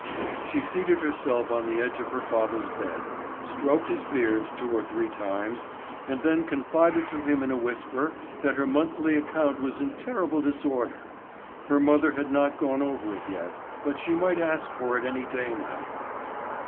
She seated herself on the edge of her father's bed, stroked his beard two or three times, and then confided to him in a whisper that her monthly account was in terrible disorder. Her mother had not gone over it yet, but she might ask for it any day now.